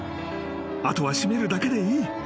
［後は閉めるだけでいい］